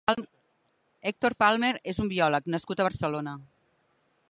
Héctor Palmer és un biòleg nascut a Barcelona.